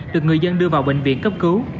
được người dân đưa vào bệnh viện cấp cứu